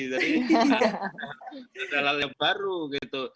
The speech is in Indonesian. itu adalah hal yang baru gitu